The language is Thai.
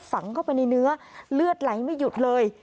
ฝังเข้าไปในเนื้อเลือดไหลไม่หยุดเลย